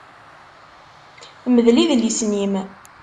Mdel idlisen-im!